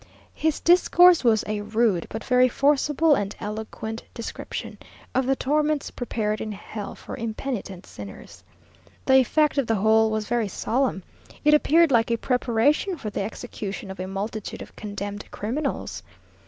His discourse was a rude but very forcible and eloquent description of the torments prepared in hell for impenitent sinners. The effect of the whole was very solemn. It appeared like a preparation for the execution of a multitude of condemned criminals.